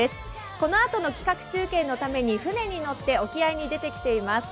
このあとの企画中継のために船に乗って、沖合に出てきています